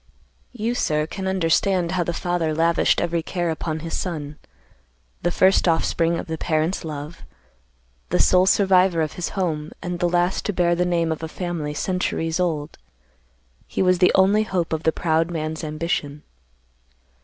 "You, sir, can understand how the father lavished every care upon his son. The first offspring of the parents' love, the sole survivor of his home, and the last to bear the name of a family centuries old, he was the only hope of the proud man's ambition.